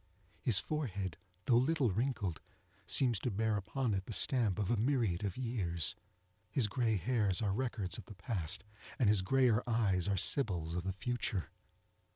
His forehead, although little wrinkled, seems to bear upon it the stamp of a myriad of years. His gray hairs are records of the past, and his grayer eyes are sibyls of the future.